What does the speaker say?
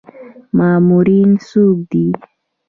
مامورین څوک دي؟